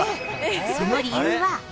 その理由は。